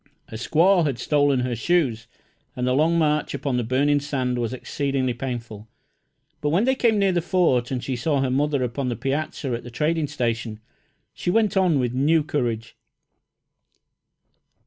A squaw had stolen her shoes, and the long march upon the burning sand was exceedingly painful; but when they came near the Fort and she saw her mother upon the piazza at the trading station, she went on with new courage.